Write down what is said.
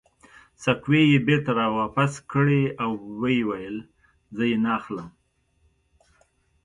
سکوې یې بېرته را واپس کړې او ویې ویل: زه یې نه اخلم.